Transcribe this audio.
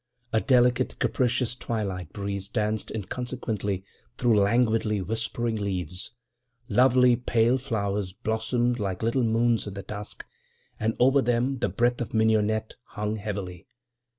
A delicate, capricious twilight breeze danced inconsequently through languidly whispering leaves. Lovely pale flowers blossomed like little moons in the dusk, and over them the breath of mignonette hung heavily.